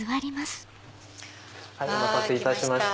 お待たせいたしました。